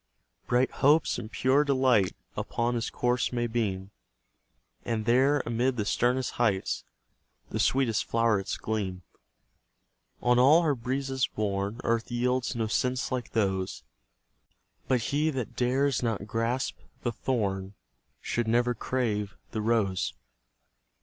Bright hopes and pure delight Upon his course may beam, And there, amid the sternest heights, The sweetest flowerets gleam. On all her breezes borne, Earth yields no scents like those; But he that dares not gasp the thorn Should never crave the rose.